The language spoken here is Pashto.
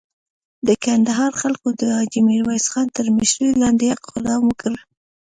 د کندهار خلکو د حاجي میرویس خان تر مشري لاندې اقدام وکړ.